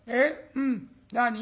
うん何？